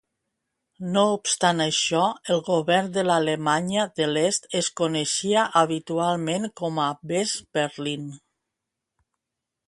No obstant això, el govern de l'Alemanya de l'Est es coneixia habitualment com a "Westberlin".